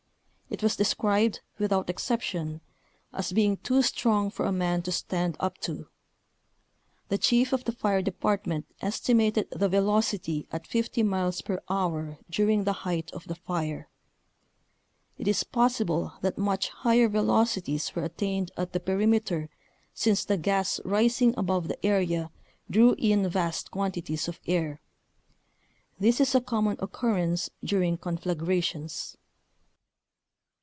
It was described, without ex ception, as being "too strong for a man to stand up to." The chief of the fire department esti mated the velocity at 50 miles per hour during the height of the fire. It is possible that much higher velocities were attained at the perimeter since the gas rising above the area drew in vast quantities of air. This is a common occurrence during conflagrations.